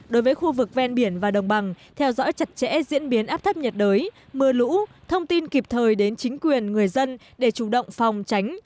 đối với khu vực ven biển và đồng bằng theo dõi chặt chẽ diễn biến áp thấp nhiệt đới mưa lũ thông tin kịp thời đến chính quyền người dân để chủ động phòng tránh